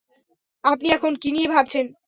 আপনি এখন কী নিয়ে ভাবছেন?